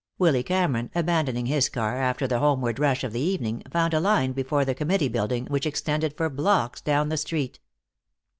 Willy Cameron, abandoning his car after the homeward rush of the evening, found a line before the Committee Building which extended for blocks down the street.